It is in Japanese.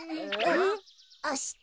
あした。